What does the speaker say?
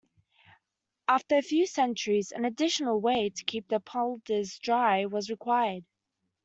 After a few centuries, an additional way to keep the polders dry was required.